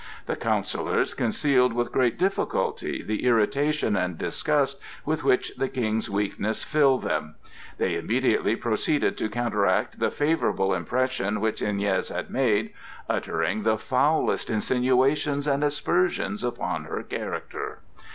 The counsellors concealed with great difficulty the irritation and disgust with which the King's weakness filled them; they immediately proceeded to counteract the favorable impression which Iñez had made, uttering the foulest insinuations and aspersions upon her character.